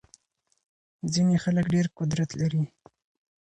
ځينې خلګ ډېر قدرت لري.